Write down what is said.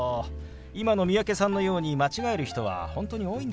今の三宅さんのように間違える人は本当に多いんですよ。